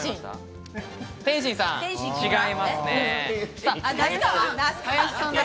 違いますね。